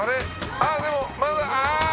あっでもまだああ！」